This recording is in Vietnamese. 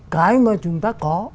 cái mà chúng ta có